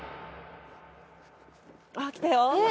あっ来たよ。